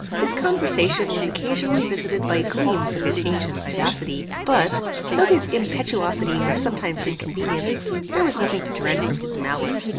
His conversation was occasionally visited by gleams of his ancient vivacity; but, though his impetuosity was sometimes inconvenient, there was nothing to dread from his malice.